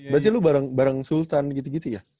berarti lu barang sultan gitu gitu ya